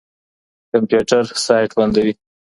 کمپيوټر سايټ بندوي.